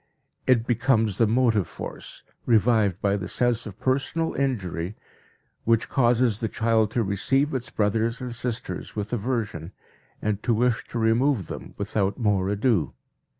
It becomes the motive force, revived by the sense of personal injury, which causes the child to receive its brothers and sisters with aversion and to wish to remove them without more ado.